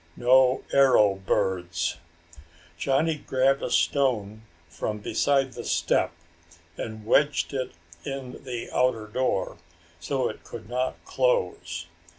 No arrow birds. Johnny grabbed a stone from beside the step and wedged it in the outer door so it could not close.